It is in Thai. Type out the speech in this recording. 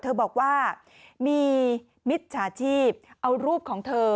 เธอบอกว่ามีมิจฉาชีพเอารูปของเธอ